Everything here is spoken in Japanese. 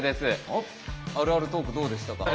あるあるトークどうでしたか？